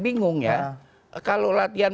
bingung ya kalau latihan